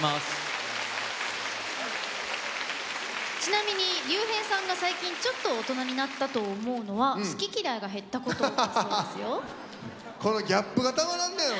ちなみにＲＹＵＨＥＩさんが最近ちょっと大人になったと思うのは好き嫌いが減ったことだそうですよ。